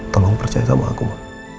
tolong percaya sama aku pak